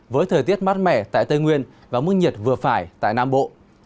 với thời tiết mát mẻ tại tây nguyên và mức nhiệt vừa phải tại nam bộ